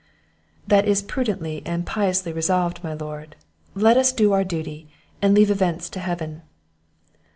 "That is prudently and piously resolved, my lord; let us do our duty, and leave events to Heaven."